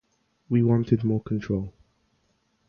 We wanted more control.